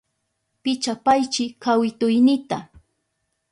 Pichapaychi kawituynita.